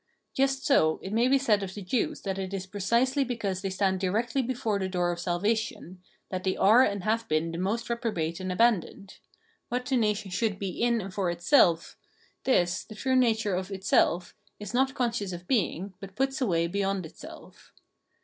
Just so it may be said of the Jews that it is precisely because they stand directly before the door of salvation, that they are and have been the most reprobate and abandoned :— what the nation should be in and for itself, this, the true inner nature of its self, it is not con scious of being, but puts away beyond itself.